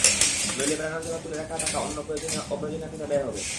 নইলে বেড়ানোর জন্য তুলে রাখা টাকা অন্য অপ্রয়োজনীয় খাতে ব্যয় হবে।